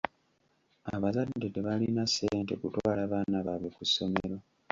Abazadde tebalina ssente kutwala baana baabwe ku ssomero.